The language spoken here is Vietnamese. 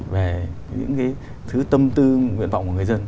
về những cái thứ tâm tư nguyện vọng của người dân